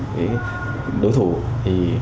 với đối thủ thì